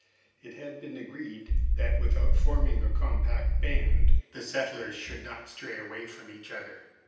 It had been agreed, that without forming a compact band, the settlers should not stray away from each other.